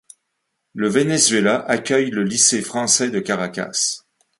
Le Venezuela accueille le lycée français de Caracas.